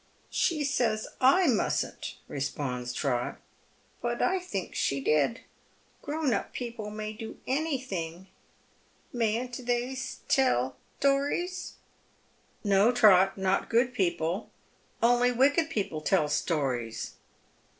She saya / mustn't," responds Trot, "but I think she did. Grown up people may do anything. Mayn't they tell tones ?"" No, Trot, not good people. Only wicked people tell stories."